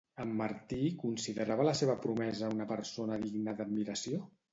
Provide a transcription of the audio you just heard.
En Martí considerava la seva promesa una persona digna d'admiració?